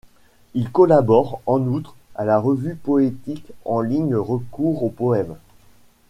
Il collabore, en outre, à la revue poétique en ligne Recours au poème.